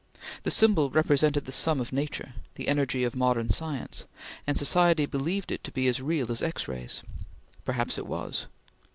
The symbol represented the sum of nature the Energy of modern science and society believed it to be as real as X rays; perhaps it was!